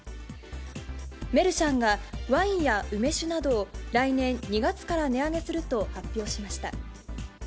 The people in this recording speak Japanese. メルシャンがワインや梅酒など、来年２月から値上げすると発表しました。